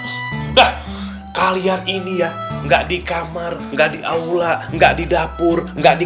sudah kalian ini ya nggak dikamar ga di aula nggak di dapur enggak di